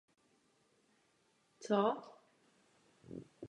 Vítězný čas si připsal pěti kopcích.